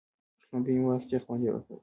شلومبې مو واخيستې خوند یې وکړ.